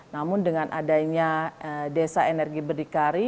namun dengan adanya desa energi berdikari